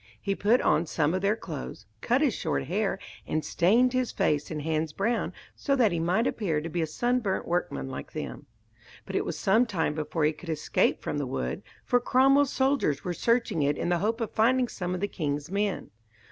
He put on some of their clothes, cut his hair short, and stained his face and hands brown so that he might appear to be a sunburnt workman like them. But it was some time before he could escape from the wood, for Cromwell's soldiers were searching it in the hope of finding some of the king's men.